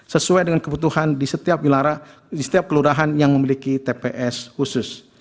sesuai dengan kebutuhan di setiap kelurahan yang memiliki tps khusus